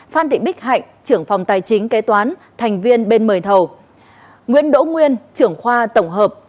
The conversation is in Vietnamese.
phan thị bích hạnh trưởng phòng tài chính kế toán thành viên bên mời thầu nguyễn đỗ nguyên trưởng khoa tổng hợp